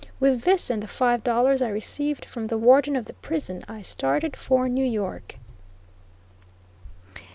With this and the five dollars I received from the Warden of the prison I started for New York.